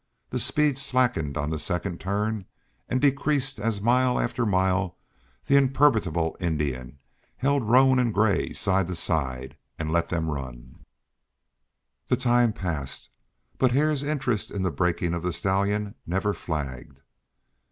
The speed slackened on the second turn, and decreased as, mile after mile, the imperturbable Indian held roan and gray side to side and let them run. The time passed, but Hare's interest in the breaking of the stallion never flagged.